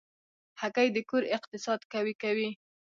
هګۍ د کور اقتصاد قوي کوي.